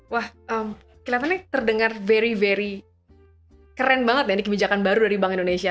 wah kelihatannya terdengar ferry very keren banget ya ini kebijakan baru dari bank indonesia